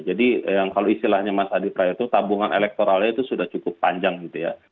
jadi yang kalau istilahnya mas aditya itu tabungan elektoralnya itu sudah cukup panjang gitu ya